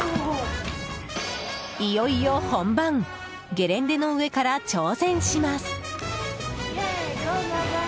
いよいよ本番ゲレンデの上から挑戦します。